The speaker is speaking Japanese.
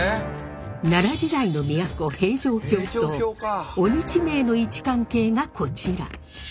奈良時代の都平城京と鬼地名の位置関係がこちら。